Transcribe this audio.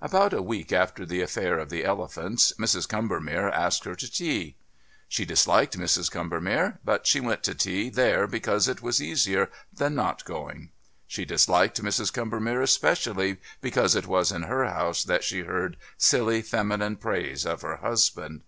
About a week after the affair of the elephants, Mrs. Combermere asked her to tea. She disliked Mrs. Combermere, but she went to tea there because it was easier than not going. She disliked Mrs. Combermere especially because it was in her house that she heard silly, feminine praise of her husband.